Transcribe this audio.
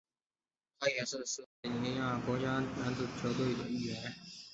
他也是斯洛维尼亚国家男子篮球队的一员。